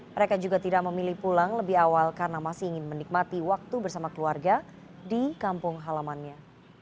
mereka juga tidak memilih pulang lebih awal karena masih ingin menikmati waktu bersama keluarga di kampung halamannya